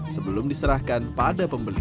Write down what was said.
sebelum diserahkan pada pembeli